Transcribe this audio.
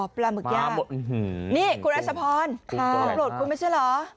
ปลาหมึกย่างหมดนี่คุณรัชพรโปรดคุณไม่ใช่เหรอ